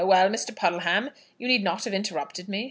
Well, Mr. Puddleham, you need not have interrupted me."